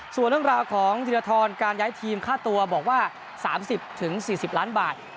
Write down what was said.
ส่วนเรื่องราวของธีรทรการย้ายทีมค่าตัวบอกว่า๓๐๔๐ล้านบาท